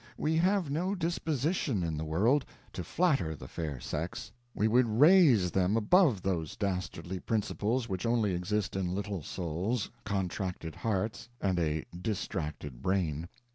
We have no disposition in the world to flatter the fair sex, we would raise them above those dastardly principles which only exist in little souls, contracted hearts, and a distracted brain.